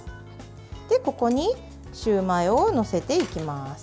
ここにシューマイを載せていきます。